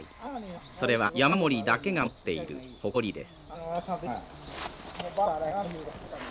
それは山守だけが持っている誇りです。